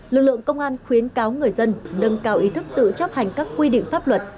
lực lượng công an khuyến cáo người dân nâng cao ý thức tự chấp hành các quy định pháp luật